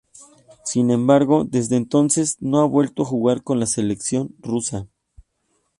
Sin embargo, desde entonces no ha vuelto a jugar con la selección rusa.